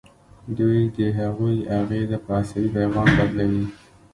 دوی د هغوی اغیزه په عصبي پیغام بدلوي.